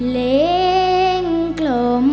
เพลงกลม